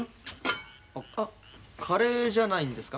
カレーじゃないんですか？